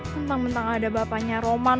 bentang bentang ada bapaknya roman